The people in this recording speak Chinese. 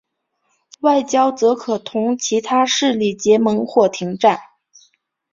外交则可同其他势力结盟或停战。